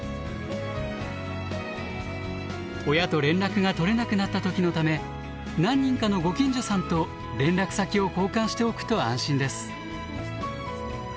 親と連絡が取れなくなった時のため何人かのご近所さんと連絡先を交換しておくと安心です。